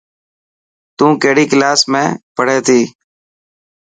تون ڪهڙي ڪلاس ۾ پهڙي ٿي.